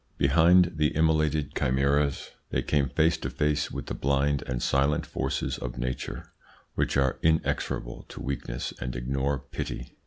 Behind the immolated chimeras they came face to face with the blind and silent forces of nature, which are inexorable to weakness and ignore pity.